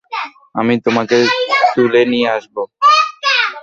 আমি তোমাকে তুলে নিয়ে আসবো।